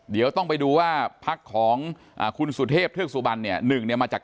เดี๋ยวต้องไปดูว่าพักของคุณสุเทพเทือกสุบันเนี่ยหนึ่งเนี่ยมาจาก